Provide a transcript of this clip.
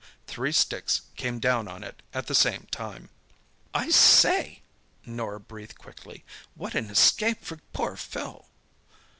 Three sticks came down on it at the same time." "I say!" Norah breathed quickly. "What an escape for poor Phil!"